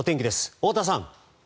太田さん。